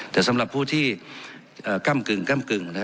แต่สำหรับผู้ที่ก้ำกึ่งก้ำกึ่ง